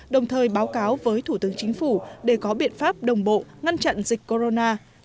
đồng thời báo cáo với thủ tướng chính phủ để có biện pháp đồng bộ ngăn chặn dịch corona